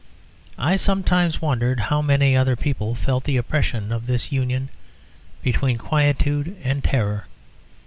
I sometimes wondered how many other people felt the oppression of this union between quietude and terror.